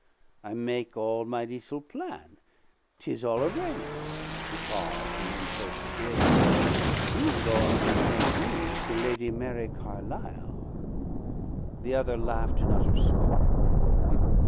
I make all my little plan'. 'Tis all arrange'." He paused, and then said gravely, "You goin' present me to Lady Mary Carlisle." The other laughed in utter scorn.